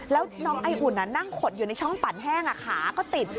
แล้วน้องไออุ่นนั่งขดอยู่ในช่องปั่นแห้งขาก็ติด